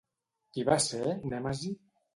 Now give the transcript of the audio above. Qui va ser Nèmesi?